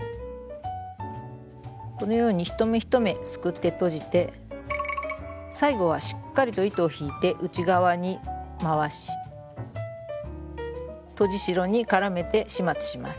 このように一目一目すくってとじて最後はしっかりと糸を引いて内側に回しとじ代に絡めて始末します。